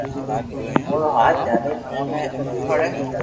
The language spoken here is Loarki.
اورو ھاٿ جھالِین اوني اُوٺاڙي